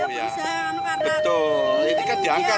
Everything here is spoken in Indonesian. ya bisa karena ini kan diangkat